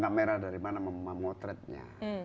kamera dari mana memotretnya